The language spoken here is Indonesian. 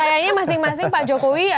kayaknya masing masing pak jokowi